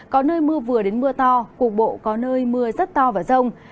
có nơi mưa vừa đến mưa to cục bộ có nơi mưa rất to và rông